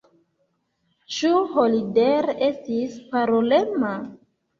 Ĉu Holder estis parolema?